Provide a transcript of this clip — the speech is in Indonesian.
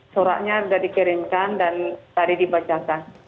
suratnya sudah dikirimkan dan tadi dibacakan